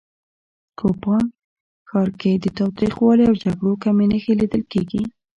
کوپان ښار کې د تاوتریخوالي او جګړو کمې نښې لیدل کېږي